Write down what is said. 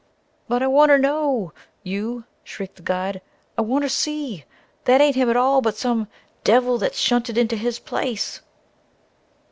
"But I want ter know, you!" shrieked the guide. "I want ter see! That ain't him at all, but some devil that's shunted into his place